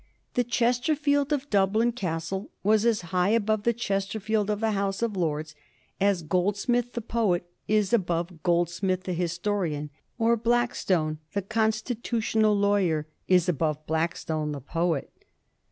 The Ches terfield of Dublin Castle was as high above the Chester field of the House of Lords as Goldsmith the poet is above Goldsmith the historian, or Blackstone the constitutional lawyer is above Blackstone the poet.